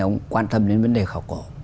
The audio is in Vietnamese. ông quan tâm đến vấn đề khảo cổ